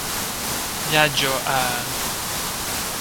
Viaggio a...